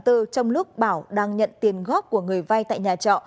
trong lúc bảo đang nhận tiền góp của người vay tại nhà trọ